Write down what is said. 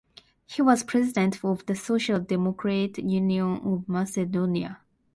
He was president of the Social Democratic Union of Macedonia.